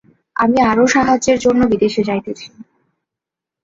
আমি আরও সাহায্যের জন্য বিদেশ যাইতেছি।